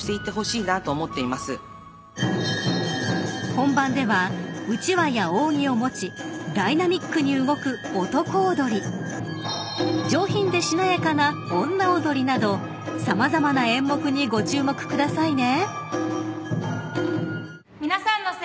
［本番ではうちわや扇を持ちダイナミックに動く男踊り上品でしなやかな女踊りなど様々な演目にご注目くださいね］